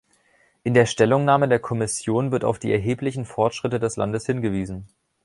In der Stellungnahme der Kommission wird auf die erheblichen Fortschritte des Landes hingewiesen.